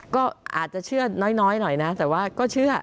ก็อาจจะเชื่อน้อยหน่อยนะแต่ว่าก็เชื่อ